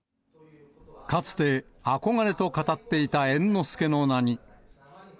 かつて憧れと語っていた猿之